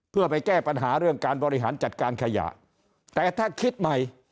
เพื่อไปแก้ปัญหาเรื่องการบริหารจัดการขยะแต่ถ้าคิดใหม่